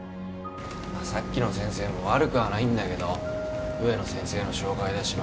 さっきの先生も悪くはないんだけど植野先生の紹介だしま